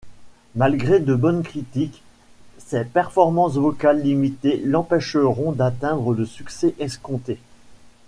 Malgré de bonnes critiques, ses performances vocales limitées l'empêcheront d'atteindre le succès escompté.